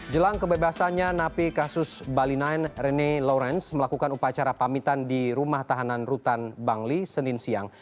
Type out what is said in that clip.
jelang kebebasannya napi kasus bali sembilan rene lawrence melakukan upacara pamitan di rumah tahanan rutan bangli senin siang